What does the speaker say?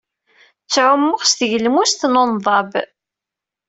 Ttɛumuɣ s tgelmust n unḍab.